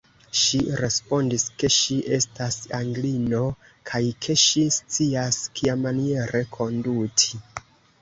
Ŝi respondis, ke ŝi estas Anglino, kaj ke ŝi scias, kiamaniere konduti.